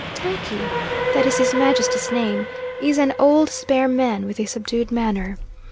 Tackie (that is His Majesty's name) is an old, spare man, with a subdued manner.